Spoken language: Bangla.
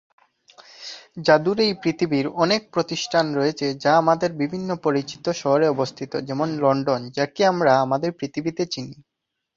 জাদুর এই পৃথিবীর অনেক প্রতিষ্ঠান রয়েছে যা আমাদের বিভিন্ন পরিচিত শহরে অবস্থিত, যেমন লন্ডন, যাকে আমরা আমাদের পৃথিবীতে চিনি।